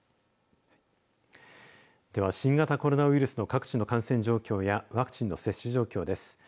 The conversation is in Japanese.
では、新型コロナウイルスの各地の感染状況やワクチンの接種状況です。